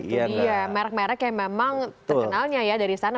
iya merek merek yang memang terkenalnya ya dari sana